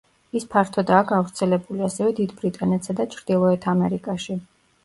ის ფართოდაა გავრცელებული, ასევე, დიდ ბრიტანეთსა და ჩრდილოეთ ამერიკაში.